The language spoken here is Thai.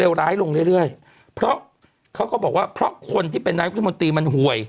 ร้ายลงเรื่อยเรื่อยเพราะเขาก็บอกว่าเพราะคนที่เป็นนายุทธมนตรีมันหวย